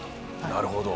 なるほど。